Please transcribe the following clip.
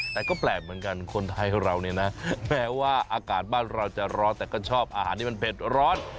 แต่ก็แปลกเหมือนกันคนไทยเราเนี่ยนะแม้ว่าอากาศบ้านเราจะร้อนแต่ก็ชอบอาหารที่มันเผ็ดร้อน